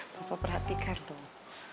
bapak perhatikan dong